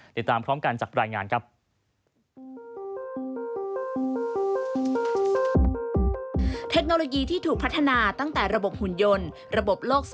ติดตามพร้อมกันจากรายงานครับ